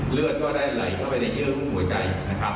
เลือดก็ได้ไหลเข้าไปในเยื่อของหัวใจนะครับ